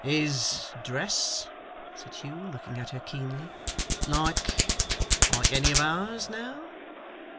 'His dress,' said Hugh, looking at her keenly, 'like like any of ours now?